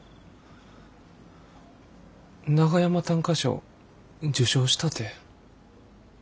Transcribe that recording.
長山短歌賞受賞したて。